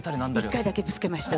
１回だけぶつけました。